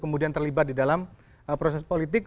kemudian terlibat di dalam proses politik